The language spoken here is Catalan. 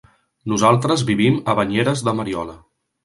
Nosaltres vivim a Banyeres de Mariola.